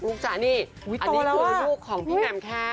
ลูกชายนี่อันนี้คือลูกของพี่แมมแคท